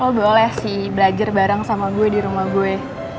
oh boleh sih belajar bareng sama gue dirumah gue